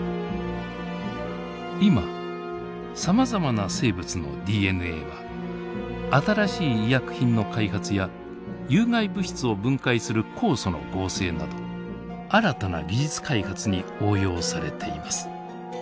今さまざまな生物のＤＮＡは新しい医薬品の開発や有害物質を分解する酵素の合成など新たな技術開発に応用されています。